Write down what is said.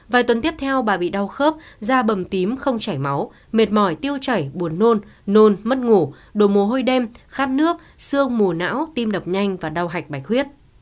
vài tuần tiếp theo bà bị đau khớp da bầm tím không chảy máu mệt mỏi tiêu chảy buồn nôn nôn mất ngủ đồ hơi đêm khát nước xương mù não tim đập nhanh và đau hạch bạch huyết